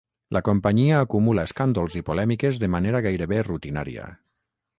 La companyia acumula escàndols i polèmiques de manera gairebé rutinària.